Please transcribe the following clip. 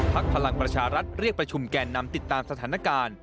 พลังประชารัฐเรียกประชุมแก่นำติดตามสถานการณ์